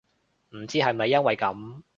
唔知係咪因為噉